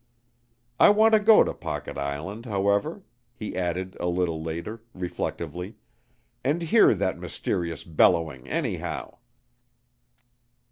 I want to go to Pocket Island, however," he added a little later, reflectively, "and hear that mysterious bellowing anyhow."